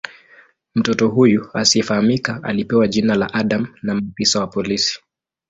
Mtoto huyu asiyefahamika alipewa jina la "Adam" na maafisa wa polisi.